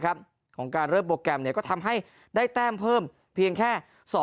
ของการเริ่มโปรแกรมก็ทำให้ได้แต้มเพิ่มเพียงแค่